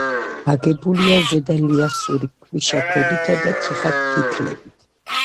აგებულია ზედალიასური ქვიშაქვებითა და თიხაფიქლებით.